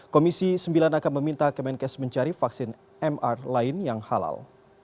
komisi sembilan akan meminta kemenkes mencari vaksin mr lain yang halal